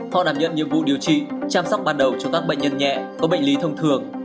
họ đảm nhận nhiệm vụ điều trị chăm sóc ban đầu cho các bệnh nhân nhẹ có bệnh lý thông thường